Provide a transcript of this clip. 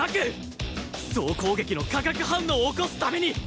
総攻撃の化学反応を起こすために